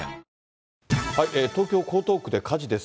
東京・江東区で火事です。